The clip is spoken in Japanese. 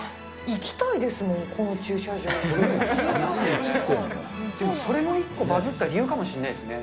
行きたいですもん、この駐車それも一個、バズった理由かもしれないですね。